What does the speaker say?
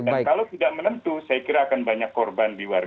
dan kalau tidak menentu saya kira akan banyak korban di warga